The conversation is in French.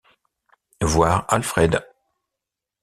Voir Alfred.